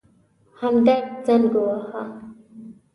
همدرد زنګ وواهه.